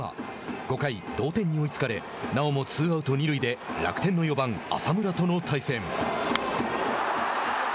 ５回、同点に追いつかれなおもツーアウト、二塁で楽天の４番浅村との対戦。